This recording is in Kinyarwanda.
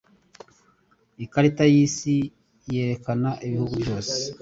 Ikarita yisi yerekana ibihugu byose.